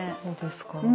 そうですか？